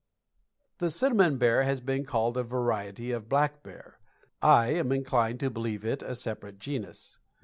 _ The Cinnamon Bear has been called a variety of black bear. I am inclined to believe it a separate genus.